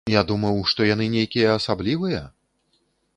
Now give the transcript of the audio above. Я думаў, што яны нейкія асаблівыя?